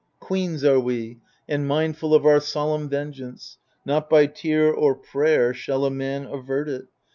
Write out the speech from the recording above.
Queens are we and mindful of our solemn vengeance : Not by tear or prayer Shall a man avert it.